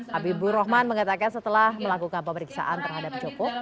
habibur rahman mengatakan setelah melakukan pemeriksaan terhadap joko